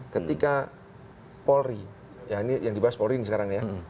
ketika polri ya ini yang dibahas polri sekarang ya